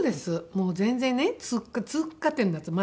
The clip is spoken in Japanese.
もう全然ね通過点なんですよ